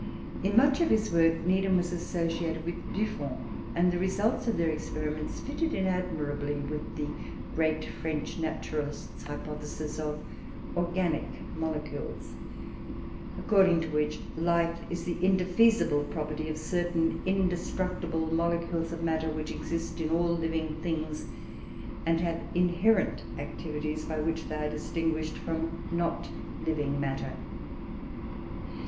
In much of his work Needham was associated with Buffon, and the results of their experiments fitted in admirably with the great French naturalist's hypothesis of "organic molecules," according to which, life is the indefeasible property of certain indestructible molecules of matter, which exist in all living things, and have inherent activities by which they are distinguished from not living matter.